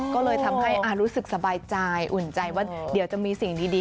ก็เลยทำให้รู้สึกสบายใจอุ่นใจว่าเดี๋ยวจะมีสิ่งดี